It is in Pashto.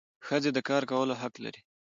ښځي د کار کولو حق لري.